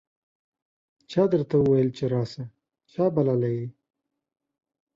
چا درته وویل چې راسه ؟ چا بللی یې